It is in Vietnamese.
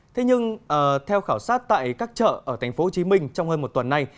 thế nhưng theo khảo sát tại các chợ ở tp hcm trong hơn một tuần nay